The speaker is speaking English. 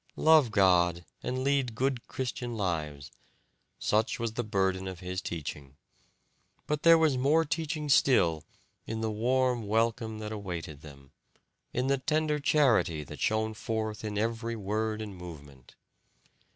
"Love God, and lead good Christian lives," such was the burden of his teaching; but there was more teaching still in the warm welcome that awaited them, in the tender charity that shone forth in every word and movement.